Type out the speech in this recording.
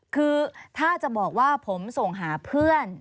คือถ้าจะบอกว่าผมส่งหาเพื่อน